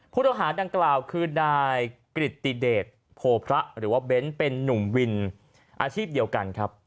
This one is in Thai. ผู้ต้องหาดังกล่าวคือนายกริติเดชโพพระหรือว่าเบ้นเป็นนุ่มวินอาชีพเดียวกันครับ